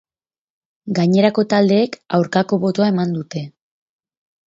Gainerako taldeek aurkako botoa eman dute.